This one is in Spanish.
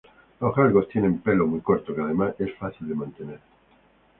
Los galgos tienen pelo muy corto, que además es fácil de mantener.